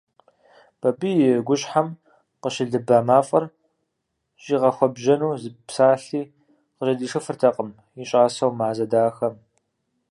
Бабий и гущхьэм къыщылыба мафӀэр щӀигъэхуэбжьэну зы псалъи къыжьэдишыфыртэкъым и щӀасэу Мазэ дахэм.